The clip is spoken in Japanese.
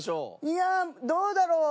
いやあどうだろう？